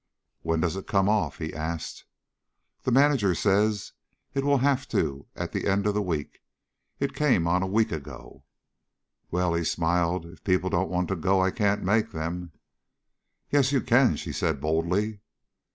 "When does it come off?" he asked. "The manager says it will have to at the end of the week. It came on a week ago." "Well," he smiled, "if people don't want to go, I can't make them." "Yes you can," she said boldly.